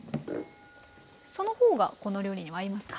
その方がこの料理には合いますか？